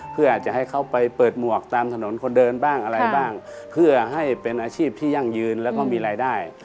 เพื่ออาจจะให้เขาไปเปิดหมวกตามถนนคนเดินบ้างอะไรบ้างเพื่อให้เป็นอาชีพที่ยั่งยืนแล้วก็มีรายได้